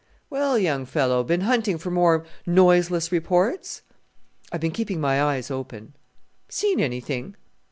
"Well, young fellow, been hunting for more noiseless reports?" "I've been keeping my eyes open." "Seen anything?"